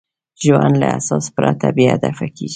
ژوند له اساس پرته بېهدفه کېږي.